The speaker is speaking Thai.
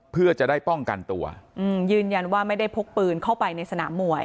เพื่อจะได้ป้องกันตัวอืมยืนยันว่าไม่ได้พกปืนเข้าไปในสนามมวย